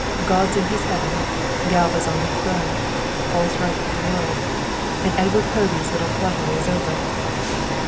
"God's in His heaven, Galva's on her throne, all's right with the world and Edward Povey's little flutter is over."